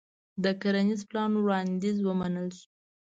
د کرنيز پلان وړانديز ومنل شو.